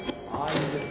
いいです